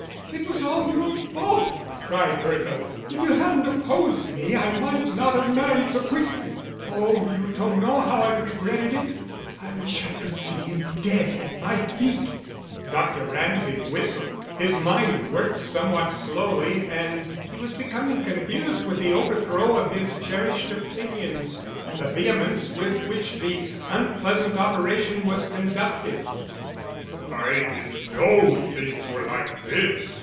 "It was all your fault," cried Bertha. "If you hadn't opposed me, I might not have married so quickly. Oh, you don't know how I've regretted it.... I wish I could see him dead at my feet." Dr. Ramsay whistled. His mind worked somewhat slowly, and he was becoming confused with the overthrow of his cherished opinions, and the vehemence with which the unpleasant operation was conducted. "I didn't know things were like this."